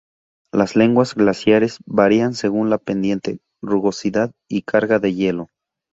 Las lenguas glaciares varían según la pendiente, rugosidad y carga de hielo.